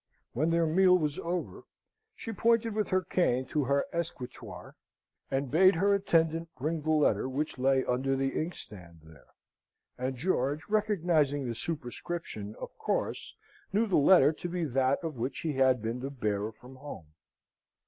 When their meal was over, she pointed with her cane to her escritoire, and bade her attendant bring the letter which lay under the inkstand there; and George, recognising the superscription, of course knew the letter to be that of which he had been the bearer from home.